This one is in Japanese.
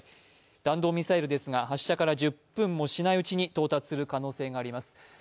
弾道ミサイルですが発射から１０分もしないうちに到達する可能性があります。